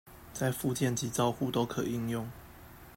在復健及照護都可應用